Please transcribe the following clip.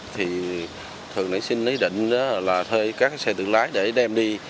thì thường nãy xin lấy định là thuê các xe tự lái để đem đi